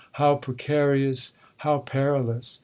'How precarious!—how perilous!'